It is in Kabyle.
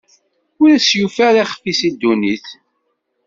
Ur as-yufi ara ixf-is i ddunit.